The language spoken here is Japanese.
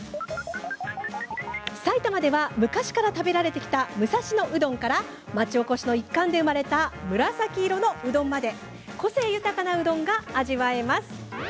埼玉では、昔から食べられてきた武蔵野うどんから町おこしの一環で生まれた紫色のうどんまで個性豊かなうどんが味わえます。